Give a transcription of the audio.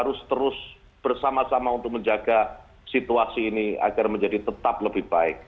harus terus bersama sama untuk menjaga situasi ini agar menjadi tetap lebih baik